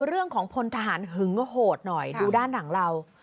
เรื่องของคนทหารหึงโหดหน่อยดูด้านหลังเรา